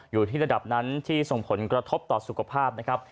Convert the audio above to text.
อยู่ที่ระดับนั้นที่ส่งผลกระทบต่อสุขภาพนะครับ